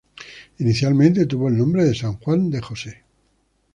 Inicialmente tuvo el nombre de San Juan de Jose.